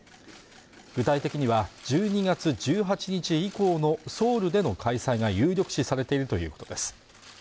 具体的には１２月１８日以降のソウルでの開催が有力視されているということです